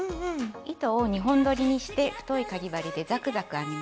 糸を２本どりにして太いかぎ針でザクザク編みます。